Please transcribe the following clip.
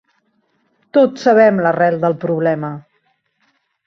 Tots sabem l'arrel del problema.